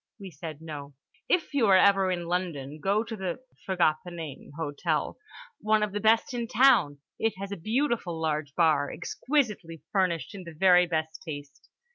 We said no. "If you are ever in London, go to the" (I forget the name) "Hotel—one of the best in town. It has a beautiful large bar, exquisitely furnished in the very best taste.